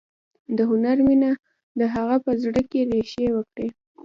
د هنر مینه د هغه په زړه کې ریښې وکړې